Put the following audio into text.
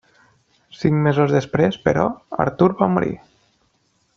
Cinc mesos després, però, Artur va morir.